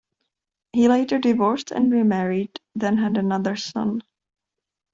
He later divorced and remarried, then had another son.